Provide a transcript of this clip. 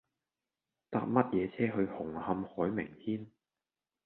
搭乜嘢車去紅磡海名軒